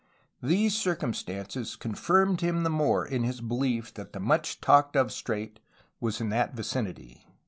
These circumstances confirmed him the more in his belief that the much talked of strait was in that vicinity."